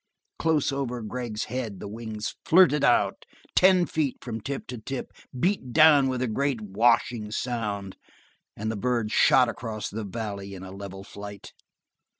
Close over Gregg's head, the wings flirted out ten feet from tip to tip beat down with a great washing sound, and the bird shot across the valley in a level flight.